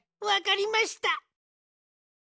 わかりました！